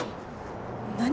何？